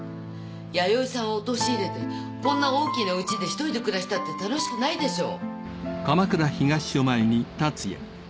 弥生さんを陥れてこんな大きな家でひとりで暮らしたって楽しくないでしょう！